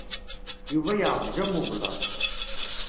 Yuba yeɛẓeg am ublaḍ.